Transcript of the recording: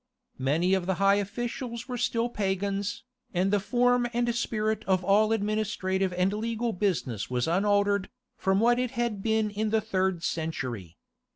Many of the high officials were still pagans, and the form and spirit of all administrative and legal business was unaltered from what it had been in the third century.